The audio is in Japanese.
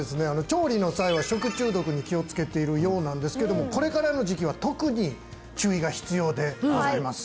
調理の際は食中毒に気をつけているようなんですけどもこれからの時期は特に注意が必要でございます